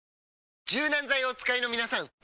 柔軟剤をお使いのみなさん！